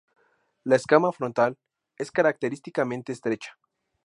La escama frontal es característicamente estrecha.